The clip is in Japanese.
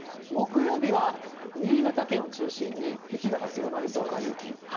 木曜日は新潟県を中心に雪が強まりそうです。